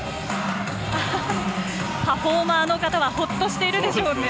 パフォーマーの方はホッとしてるでしょうね。